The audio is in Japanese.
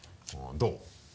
どう？